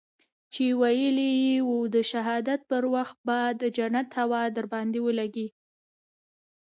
چې ويلي يې وو د شهادت پر وخت به د جنت هوا درباندې ولګېږي.